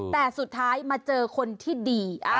แต่สุดท้ายมาเจอคนที่ดี